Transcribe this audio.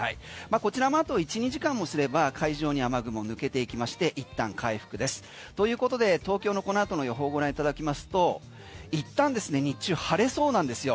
こちらもあと１２時間すれば海上に雨雲抜けていきまして一旦回復です。ということで東京のこの後の予報をご覧いただきますといったんですね日中晴れそうなんですよ。